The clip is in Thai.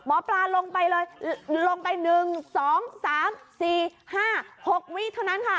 หมอปลาลงไปเลยลงไปหนึ่งสองสามสี่ห้าหกวิทย์เท่านั้นค่ะ